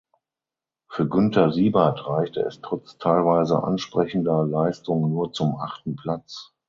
Für Günter Siebert reichte es trotz teilweise ansprechender Leistung nur zum achten Platz.